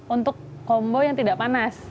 untuk kombo yang tidak panas